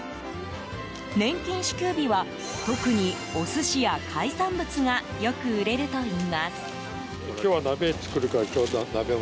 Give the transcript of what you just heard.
年金支給日は特にお寿司や海産物がよく売れるといいます。